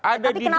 ada di luar